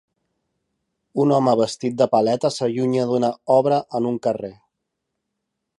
Un home vestit de paleta s'allunya d'una obra en un carrer.